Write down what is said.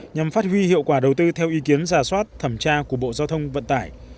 nhằm phát huy hiệu quả đầu tư theo ý kiến giả soát thẩm tra của bộ giao thông vận tải